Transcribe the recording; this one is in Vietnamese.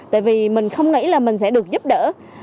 tại vì mình không nghĩ là mình sẽ được giúp đỡ